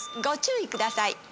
ご注意ください。